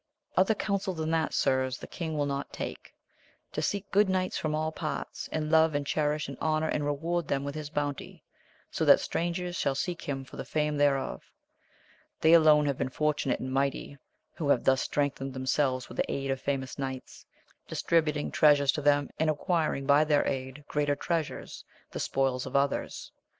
Other counsel than this, sirs, the king will not take ; to seek good knights from all parts, and love and cherish and honour and reward them with his bounty, so that strangers shall seek him for the fame thereof. They alone have been fortunate and mighty who have thus strengthened themselves with the aid of famous knights, distributing treasures to them, and acquiring by their aid greater treasures, the spoils of others.